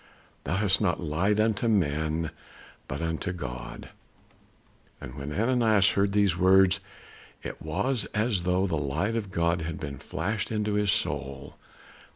Thou hast not lied unto men, but unto God." And when Ananias heard these words, it was as though the light of God had been flashed into his soul.